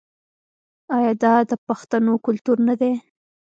آیا دا د پښتنو کلتور نه دی؟